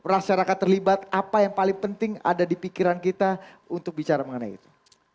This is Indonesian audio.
masyarakat terlibat apa yang paling penting ada di pikiran kita untuk bicara mengenai itu